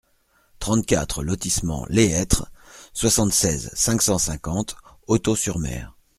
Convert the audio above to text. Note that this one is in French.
trente-quatre lotissement Les Hetres, soixante-seize, cinq cent cinquante, Hautot-sur-Mer